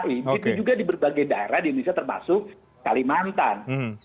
itu juga di berbagai daerah di indonesia termasuk kalimantan